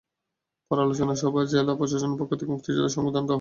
পরে আলোচনা সভায় জেলা প্রশাসনের পক্ষ থেকে মুক্তিযোদ্ধাদের সংবর্ধনা দেওয়া হয়।